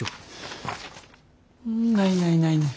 ないないないない。